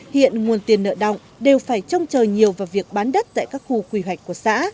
hiện nguồn tiền nợ động đều phải trông chờ nhiều vào việc bán đất tại các khu quy hoạch của xã